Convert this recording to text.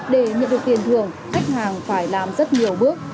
để nhận được tiền thường khách hàng phải làm rất nhiều bước